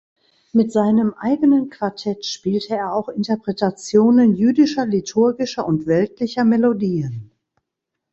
Mit seinem eigenen Quartett spielte er auch Interpretationen jüdischer liturgischer und weltlicher Melodien.